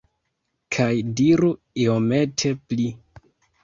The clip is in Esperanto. Kaj diru iomete pli